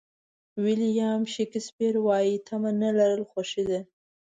ویلیام شکسپیر وایي تمه نه لرل خوښي ده.